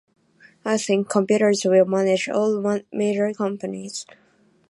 I think computers will manage all major companies.